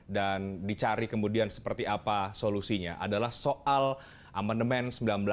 dan dicari kemudian seperti apa solusinya adalah soal amendemen seribu sembilan ratus empat puluh lima